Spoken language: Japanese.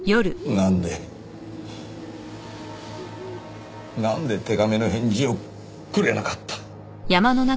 なんでなんで手紙の返事をくれなかった？